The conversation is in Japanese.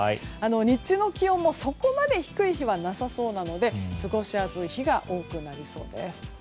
日中の気温もそこまで低い日はなさそうなので過ごしやすい日が多くなりそうです。